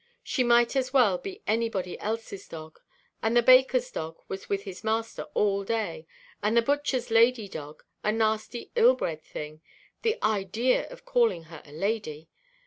She might as well be anybody elseʼs dog; and the bakerʼs dog was with his master all day; and the butcherʼs lady dog, a nasty ill–bred thing—the idea of calling her a lady!